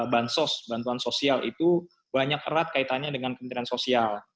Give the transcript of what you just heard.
bantuan sosial bantuan sosial itu banyak erat kaitannya dengan kementerian sosial